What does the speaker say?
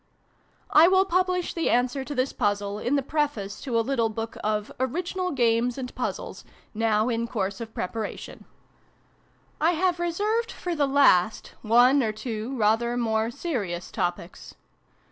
I will publish the answer to this puzzle in the Preface to a little book of " Original Games and Puzzles," now in course of preparation. b xviii PREFACE. I have reserved, for the last, one or two rather more serious topics.